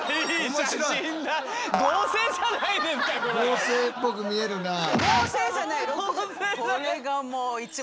合成っぽく見えるなあ。